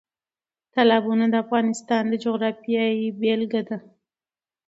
تالابونه د افغانستان د جغرافیې بېلګه ده.